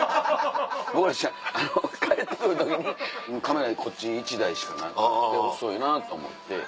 僕も知らないあの帰ってくる時にカメラこっち１台しかなくて遅いなと思って。